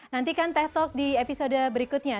nantikan teh talk di episode berikutnya